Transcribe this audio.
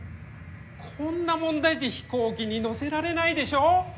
こんな問題児飛行機に乗せられないでしょ！？